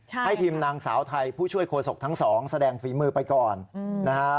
ให้ทีมนางสาวไทยผู้ช่วยโฆษกทั้งสองแสดงฝีมือไปก่อนนะฮะ